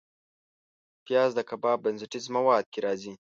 پیاز د کباب بنسټیز موادو کې راځي